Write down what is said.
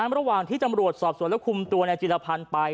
ระหว่างที่ตำรวจสอบสวนและคุมตัวนายจิรพันธ์ไป